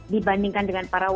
dibandingkan dengan para wamen